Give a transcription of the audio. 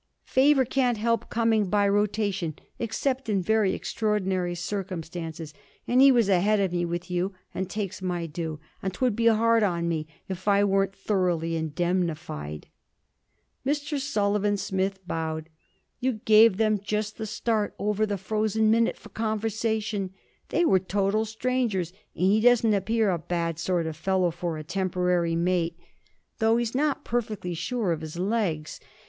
'Favour can't help coming by rotation, except in very extraordinary circumstances, and he was ahead of me with you, and takes my due, and 'twould be hard on me if I weren't thoroughly indemnified.' Mr. Sullivan Smith bowed. 'You gave them just the start over the frozen minute for conversation; they were total strangers, and he doesn't appear a bad sort of fellow for a temporary mate, though he's not perfectly sure of his legs.